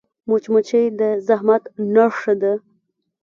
مچمچۍ د زحمت نښه ده